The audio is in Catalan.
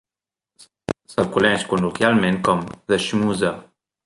Se'l coneix col·loquialment com The Schmoozer.